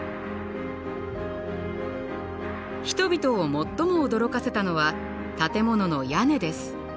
人々を最も驚かせたのは建物の屋根です。